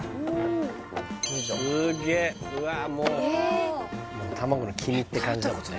すげえうわもう卵の黄身って感じだもんね